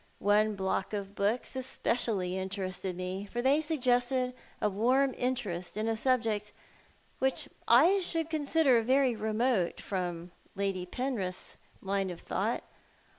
One block of books especially interested me — for they suggested a warm interest in a subject which I should consider very remote from Lady Penrith's line of thought.